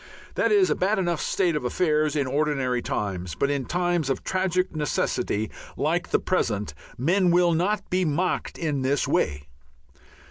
That is a bad enough state of affairs in ordinary times, but in times of tragic necessity like the present men will not be mocked in this way.